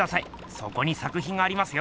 そこに作品がありますよ。